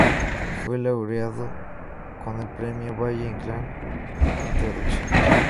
Fue laureado con el Premio Valle-Inclán en traducción.